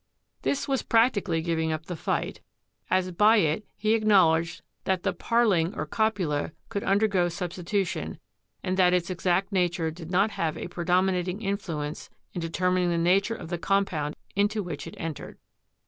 This was practically giving up the fight, as by it he ac knowledged that the "Paarling," or copula, could undergo substitution, and that its exact nature did not have a pre dominating influence in determining the nature of the compound into which it entered.